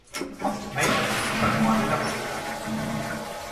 Nahita piztutakoa dela uste da.